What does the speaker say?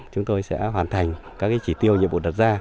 chúng tôi sẽ hoàn thành các chỉ tiêu nhiệm vụ đặt ra